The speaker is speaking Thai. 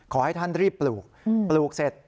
ขอให้ท่านรีบปลูกปลูกเสร็จ